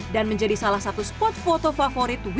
dan menjadi salah satu spot foto favorit wisatawan